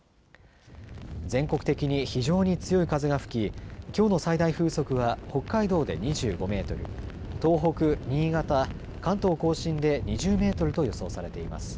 全国的に非常に強い風が吹ききょうの最大風速は北海道で２５メートル、東北、新潟、関東甲信で２０メートルと予想されています。